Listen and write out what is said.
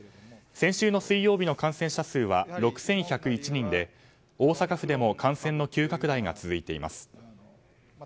先週の水曜日の感染者数は６１０１人で大阪府でも感染の急拡大が続いています。